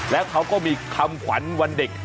แล้วเขาก็มีคำขวัญวันเด็ก